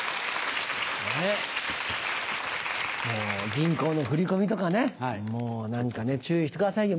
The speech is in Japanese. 銀行の振り込みとかねもう何かね注意してくださいよ